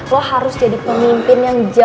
lo harus jadi pemimpin yang jauh